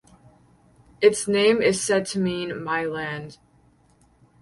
Its name is said to mean my land.